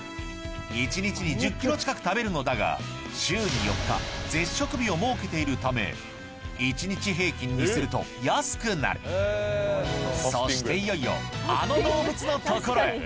１日に１０ｋｇ近く食べるのだが週に４日絶食日を設けているため１日平均にすると安くなるそしていよいよあの動物のところへ！